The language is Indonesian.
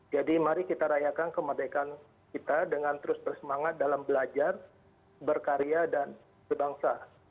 jadi mari kita rayakan kemerdekaan kita dengan terus bersemangat dalam belajar berkarya dan sebangsa